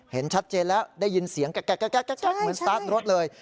เห็นชัดเจนแล้วได้ยินเสียงแก๊กเหมือนสตาร์ทรถเลย